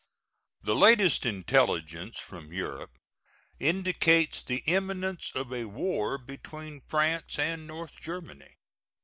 The latest intelligence from Europe indicates the imminence of a war between France and North Germany.